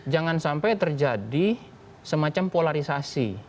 jangan sampai terjadi semacam polarisasi